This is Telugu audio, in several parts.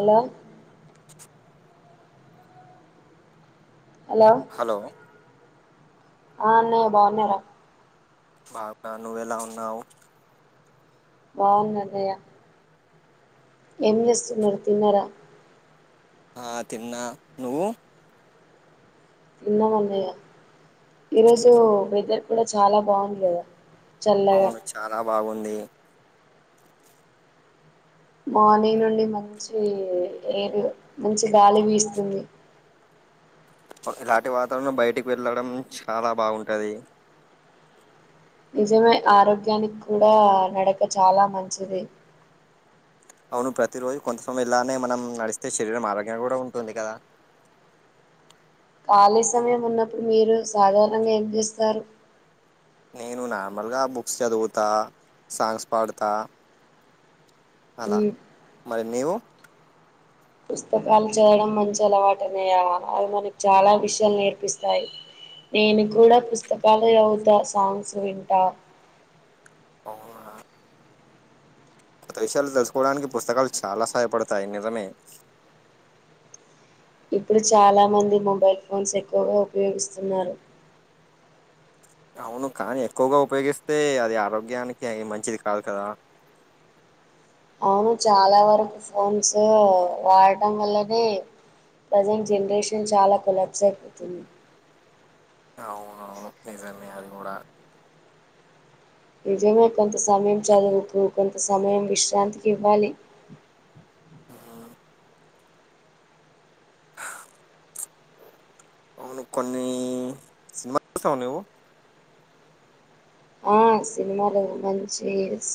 అలో హలో ఆ అన్నయ్య బాగున్నార బా పా నువ్వెలా ఉన్నావు బా ఉన్న అన్నయ్య ఏం చేస్తున్నారు తిన్నరా ఆ తిన్నా నువ్వు తిన్నాం అన్నయ్య ఈరోజు వెదర్ కూడా చాలా బాగుంది కదా చల్లగా అవును చాలా బాగున్ ది మార్నింగ్ నుండి మంచీ ఎర్ మంచి గాలి వీస్తుంది [unintelligible] ఇలాంటి వాతావరణం బయటికి వెళ్ళడం చాలా బాగుంటది నిజమే ఆరోగ్యానికి కూడా నడక చాలా మంచిది అవును ప్రతి రోజు కొంతసం ఇలానే మనం నడిస్తే శరీరం ఆరోగ్యం కూడా ఉంటుంది కదా ఖాళీ సమయం ఉన్నప్పుడు మీరు సాధారణంగా ఏం చేస్తారు నేను నార్మల్గా బుక్స్ చదువుతా, సాంగ్స్ పాడుతా అలా ఉమ్. మరి నీవు పుస్తకాలు చదడం మంచి అలవాట్ అన్నయ్య అవి మనకు చాలా విషయాలు నేర్పిస్తాయి. నేను కూడా పుస్తకాలే చదువుతా సాంగ్స్ వింటా అవునా కొత్త విషయాలు తెలుసుకోడానికి పుస్తకాలు చాలా సహాయపడతాయి నిజమే ఇప్పుడు చాలా మంది మొబైల్ ఫోన్స్ ఎక్కువగా ఉపయోగిస్తున్నారు అవును కానీ ఎక్కువగా ఉపయోగిస్తే అది ఆరోగ్యానికి అయి మంచిది కాదు కదా అవును చాలా వరకు ఫోన్స్ వాడటం వల్లనే ప్రజెంట్ జనరేషన్ చాలా కులబ్స అయిపోతుంది అవునవును నిజమే అది కూడా నిజమే కొంత సమయం చదువుతు, కొంత సమయం విశ్రాంతికి ఇవ్వాలి. ఉమ్, అవును కొన్నీ సినిమా చూస్తవా నీవు ఆ సినిమాలు మంచి స్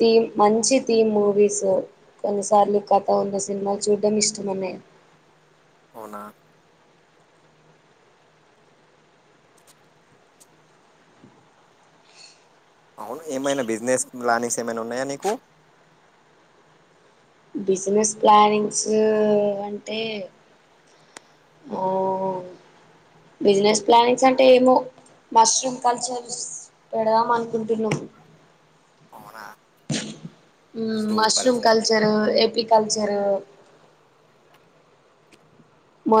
థీమ్ మంచి థీమ్ మూవీస్ కొన్నిసార్లు కథ ఉన్న సినిమాలు చూడడం ఇష్టం అన్నయ్య అవునా అవును ఏమైనా బిజినెస్ ప్లానింగ్స్ ఏమైనా ఉన్నాయా నీకు బిజినెస్ ప్లానింగ్స్ అంటే ఆ బిజినెస్ ప్లానింగ్స్ అంటే ఏమో మష్రూమ్ కల్చర్స్ పెడదాం అనుకుంటున్నాం. అవునా ఉమ్ సూపర్ మష్రూమ్ అసలు కల్చర్ ఎప్ పి కల్చర్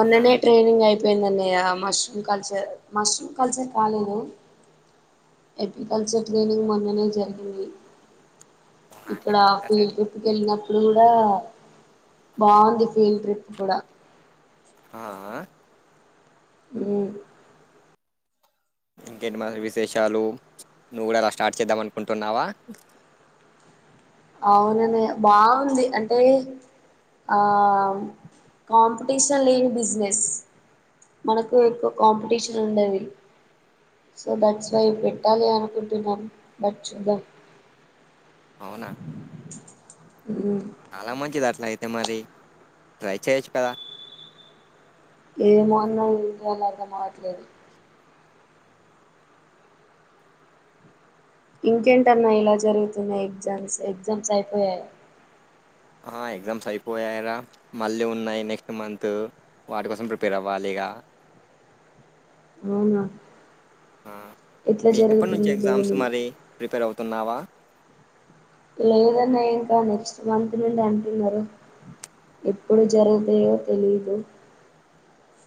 అవునా ట్రైనింగ్ అయిపోయింది అన్నయ్య. మష్రూమ్ కల్చర్ మష్రూమ్ కల్చర్ కాలేదు ఎపి కల్చర్ ట్రైనింగ్ మొన్ననే జరిగింది ఇక్కడ ఎట్లా సార్ ఫీల్డ్ ట్రిప్కి ఎళ్ళినప్పుడు కూడా బాగుంది ఫీల్డ్ ట్రిప్ కూడా ఆ ఉమ్ ఇంకేంటి మరి విసేషాలు నువ్వు కూడా అలా స్టార్ట్ చేద్దాం అనుకుంటున్నావా అవునన్నయ్య బాగుంది అంటే ఆ కాంపిటీషన్ లేని బిజినెస్ మనకు ఎక్కువ కాంపిటీషన్ ఉండది సో దట్స్ వై పెట్టాలి అనుకుంటున్నాం బట్ చూద్దాం అవున మ్మ్. చాలా మంచిది అట్లా అయిత్ తే మరి ట్రై చేయొచ్చు కదా ఏమోన్లైన్ విదాల అర్థం అవట్లేదు ఇంకేంటన్నా ఇలా జరుగుతున్నా ఎగ్జామ్స్ ఎగ్జామ్స్ అయిపోయాయి ఆ ఎగ్జామ్స్ అయిపోయారా మళ్ళీ ఉన్నాయి నెక్స్ట్ మంత్ వాటి కోసం ప్రిపేర్ అవ్వాలి ఇక అవునా ఎట్లా మీకు ఎప్పటి నుంచి జరుగుతుంది ఎగ్జామ్స్ డైలీ మరి ప్రిపేర్ అవుతున్నావా లేదన్న ఇంకా నెక్స్ట్ మంత్ నుండి అంటున్నారు ఎప్పుడు జరుగుతాయో తెలీదు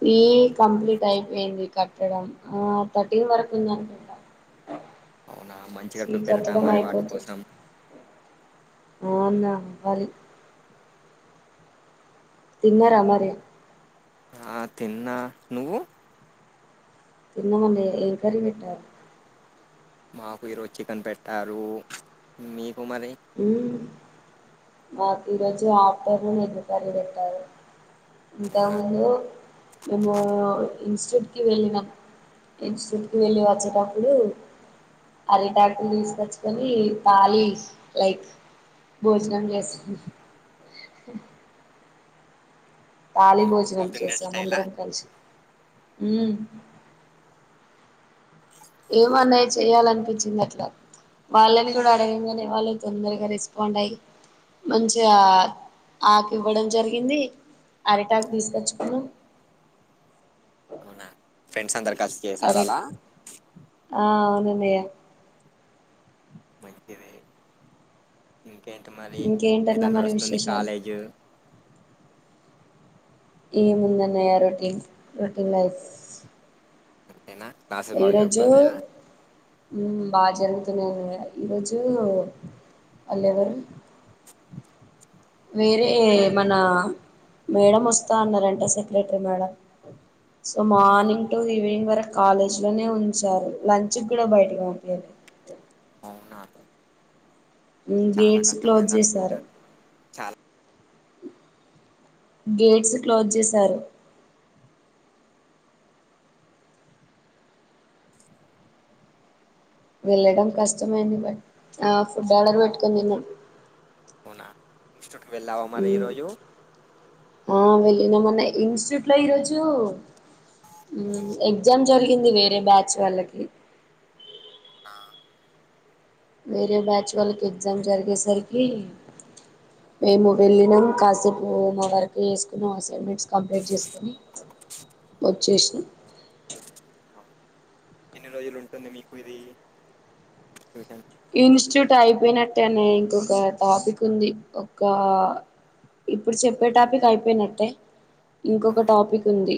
ఫీ కంప్లీట్ అయిపోయింది కట్టడం ఆ థర్టీన్ వరకు ఉంది అకుడా అవునా మంచి కపిపేరు కా మరి వాటి కోసం అవునా మరి తిన్నరా మరే ఆ తిన్నా నువ్వు తిన్నమంటే ఏం కర్రీ పెట్టారు మాకు ఈరోజు చికెన్ పెట్టారు మీ ఉ మాకు ఈరోజు ఆఫర్ ఎందుకనే కట్టారు అవునా దాన్లో ఎబో ఇన్స్టిట్యూట్కి వెళ్ళిన ఇన్స్టిట్యూట్కి వెళ్ళి వచ్చేటప్పుడు అలిటాక్టలు తీసుకొచ్చుకని తాళి నైట్ బోజనం చేస్తున్నాం భోజనం సౌత్ ఇండియన్ స్టైలా చేసామందరం కలిసి ఉ ఏమన్నాయ చెయాలనిపించింది అట్లా వాళ్ళని కూడా అడగంగానే వాళ్ళు తొందరగా రెస్పాండ్ అయ్యి మంచిగా ఆకు ఇవ్వడం జరిగింది అరిటాక్ తీసుకొచ్చుకున్నా అవునా ఫ్రెండ్స్ అందరి ఖర్చు చేసార అరి అలా ఆ అవునన్నయ్య మంచిది ఇంకేంటి మరి ఇంకేంటన్నా ఇలా మరి నడుస్తుంది విశేషాలు కాలేజు ఈ ముందున్న రొటీన్ రొటీన్ లైఫ్స్ అంతేనా క్లాసెస్ బాగా ఈరోజు జరుగుతున్నాయా ఉ బా జరుగు అ ఈరోజు అలేవరు వేరే మన మేడం వస్తా అన్నారంట సెక్రటరీ మేడం సో అవునా మార్నింగ్ టు ఈవినింగ్ వరకు కాలేజ్ లోనే ఉంచారు లంచ్కి కూడా బయటకి ఉంపియంది అవునా చాలా గేట్స్ క్లోజ్ కష్టమైంది అనుకుంటా చేసారు చాలా గేట్స్ క్లోజ్ చేశారు వెళ్లడం కష్టమైంది బట్ ఆ ఫుడ్ ఆర్డర్ పెట్టుకున్నాం ఇష్ట వెళ్ళావా మరి ఈ రోజు ఆ వెళ్ళినా మన్న ఇన్స్టిట్యూట్ లో ఈరోోజు ఉ ఎగ్జామ్ జరిగింది వేరే బ్యాచ్ వాళ్ళకి ఆ వేరే బ్యాచ్ వాళ్ళకి ఎగ్జామ్ జరిగేసరికి మేము వెళ్ళినం కాసేపు వర్క్ చేసుకున్నాం అసైన్మెంట్స్ కంప్లీట్ చేసుకొని వచేసినా అవునా. ఎన్ని రోజులు ఉంటుంది మీకు ఇది ట్యూషన్ ఇన్స్టిట్యూట్ అయిపోయినట్టే అనే ఇంకొక టాపిక్ ఉంది ఒక ఇప్పుడు చెప్పే టాపిక్ అయిపోయినట్టే. ఆ, ఇంకొక టాపిక్ ఉంది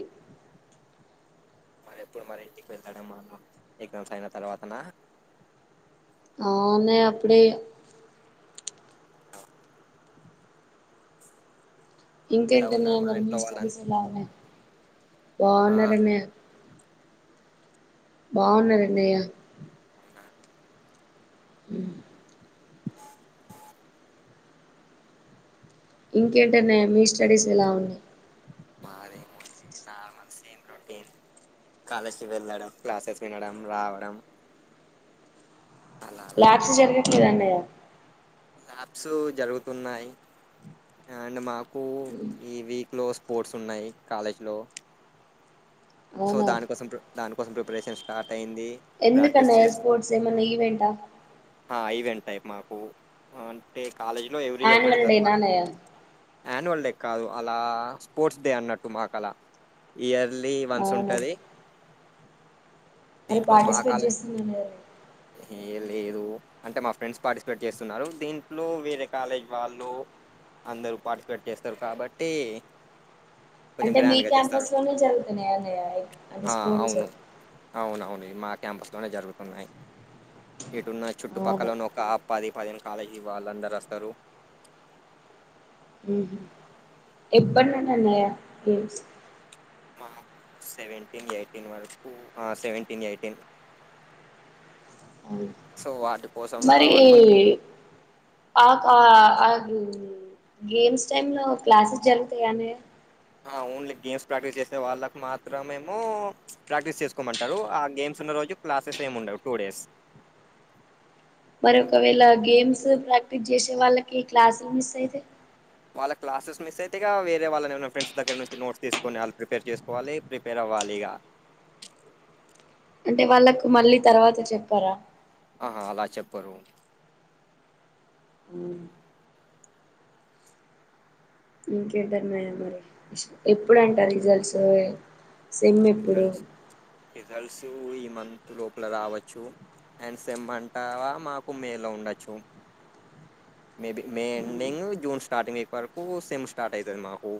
ఇప్పుడు మరి ఇంటికి వెళ్ళాడంమ నావు ఎగ్జామ్స్ అయిన తర్వాత నా. ఆ అన్నయ్య అప్పుడ ఈగ ఆ ఎలా ఇంకేంటన్నయ్య ఉన్నారు మరి ఇంట్లో స్టడీస్ వాళ్ళంతా ఎలా ఉన్నాయి ఆ, బాన్నరన్న బాగున్నారున్నయ్య అవునా హ ఇంకేంటన్నయ్య మీ స్టడీస్ ఎలా ఉన్నాయి. మాదేమ నార్మల్ సన్ రొటీన్ కాలేజ్ కి వెళ్ళడం, క్లాసెస్ వినడం, రావడం. అలా అలా ల్యాబ్స్ జరిగే లేదునయ క్లబ్స్ జరుగుతున్నాయి అండ్ మాకు కు ఈ వీక్ లో స్పోర్ట్స్ ఉన్నాయి కాలేజ్ లో సో అవునా దానికోసం దాని కోసం ప్రిపరేన్ స్టార్ట్ అయింది ప్రాక్టీస్ ఎందుకన్నయ్య చేస్త స్పోర్ట్స్ ఏమన్నా ఈవెంటా ఆ ఈవెంట్ అయి మా ఆ అంటే కాలేజీ లో ఎవ్రీ ఇయర్ యాన్యువల్ పెడతారు డేనా అట్లా అన్నయ్య యాన్యువల్ డే కాదు అలా స్పోర్ట్స్ డే అన్నట్టు మాకు అలా ఇయర్ లీ వన్స్ ఉంటది అరే పార్టిసిపేట్ చేస్తు ఉనేరు. ఏ లేదు అంటే మా ఫ్రెండ్స్ పార్టిసిపేట్ చేస్తున్నారు దీంట్లో వేరే కాలేజ్ వాళ్ళు అందరు పార్టిసిపేట్ చేస్తారు కాబట్టి. అంటే మీ క్యాంపస్ లోనే జరుగుతున్నాయ అన్ అ అవును అవునవును ఇమా క్యాంపస్ లోనే జరుగుతున్నయి ఇటున్న అవును చుట్టుపక్కలను ఒక అ ప్పది పదిను కాలేజీ వాళ్ళందరు వస్తరు ఉహు ఎప్పనుండి అన్నయ్య గేమ్స్ సెవెంటీన్ ఎయిటీన్ వరకు ఆ సెవెంటీన్ ఎయిటీన్ సో వాటి కోసం ఒక మరి వన్ మంత్ ఆ ఆ ఆ గేమ్స్ టైమ్ లో క్లాసెస్ జరుగుతయ అన్నయ్య ఆ ఓన్లీ గేమ్స్ ప్రాక్టీస్ చేసే వాళ్ళకు మాత్రమేమో ప్రాక్టీస్ చేసుకోమంటరు. ఆ గేమ్స్ ఉన్న రోజు క్లాసెస్ ఏం ఉండవు టూ డేస్ మరి ఒకవేళ గేమ్సు ప్రాక్టీస్ జేసే వాళ్ళకి క్లాసులు మిస్ అయితే వాళ్ళక్ క్లాసెస్ మిస్ అయితే ఇగా వేరే వాళ్ళని ఎవరనన్న ఫ్రెండ్స్ దగ్గర నుంచి నోట్స్ తీసుకుని వాళ్ళు ప్రిపేర్ చేసుకోవాలి ప్రిపేర్ అవ్వాలి ఇగ అంటే వాళ్ళకు మళ్ళీ తర్వాత చెప్పరా అహ అలా చెప్పరు ఉ ఇంకేంటన్నయ్య మరి ఎప్పుడు అంట results sem results results month లోపల రావచ్చు అండ్ సెమ్ అంటావ మాకు మేం లో ఉండచ్చు మేబి మే ఎండింగ్ జూన్ స్టార్టింగ్అయిపోయే వరకు సెమ్ స్టార్ట్ అవుతది మాకు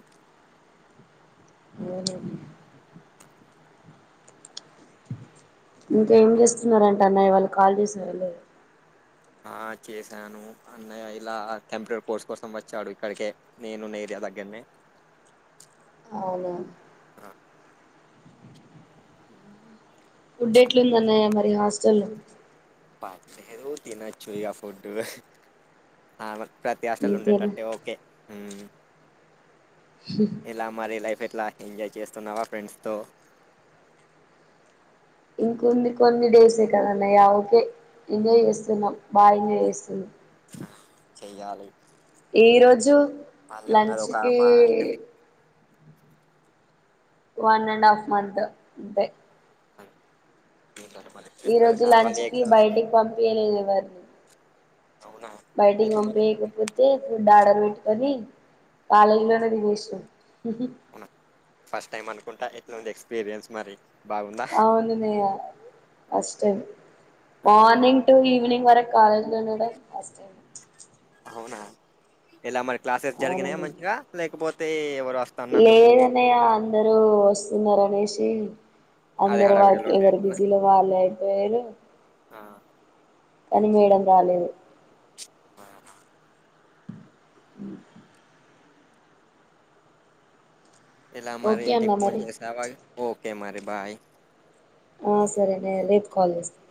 ఇంకేం చేస్తున్నారంట అన్నయ్యవాళ్ళు కాల్ చేసారా లేదా ఆ చేసాను అన్నయ్య ఇలా టెంపోరరీ కోర్స్ కోసం వచ్చాడు ఇక్కడికే నేను ఉన్న ఏరియా దగ్గరనే అవునా ఆ ఫుడ్ ఎట్లు ఉంది అన్నయ్య మరి హాస్టల్లొ పర్లేదు తినచ్చు ఇగ ఫుడ్డు ఆమ ప్రతి హాస్టల్లో అంతేనా ఉండేటట్టే ఓకే ఎలా మరి లైఫ్ ఎ ఎట్లా ఎంజాయ్ చేస్తున్నావా ఫ్రెండ్స్ తో ఇంకుంది కొన్ని డేసే కద అన్నయ్య ఓకే ఎంజాయ్ చేస్తున్నాం బాగా ఎంజాయ్ చేస్తున్నాం ఆ చెయ్యాలి జూ మళ్ళీ ఉన్నది లంచ్ ఒక కి మా ఏంటంటే వన్ అండ్ హాఫ్ మంత్ అంతే మళ్ళీ ఈ ప్రిపేర్ రోజు లంచ్ కావాలి కి ఎగ్జామ్స్ బయటికి పంపియలేదు ఎవరిని అవునా బయటికి మీకు మరి పంపియకపోతే ఫుడ్ ఆర్డ పెట్టుకొని కాలేజీలోనే తినేష్నం అవున పస్ట్ టైమ్ అను కుంటా ఎట్లుంది ఎక్స్పీరియన్స్ మరి బాగుందా అవును అన్నయ్య ఫస్ట్ టైం ఆ మార్నింగ్ టు ఈవినింగ్ వరక్ కాలేజ్ లో నే వుండడ అవునా ఎలా మరి క్లాసెస్ అవును జరిగినాయ అన్నయ్య మంచిగా లేకపోత్ తే ఎవర్ లేదన్నయ్య అందరూ వస్తున్నారనేషి [unintelligible] అదే అందరు వాళ్ళకి హడావిడిలో ఉండే ఎవరు అంటనా బిజీలో వాళ్ళు అయిపోయారు ఆ, కానీ మేడం రాలేదు ఊహు ఎలా మరి ఓకే అన్న ఇంటికి ఫోన్ మరి చేసేవా ఓమ్ ఓకే మరి బాయ్ ఆ సరే నే రేపు కాల్ చేస్తాను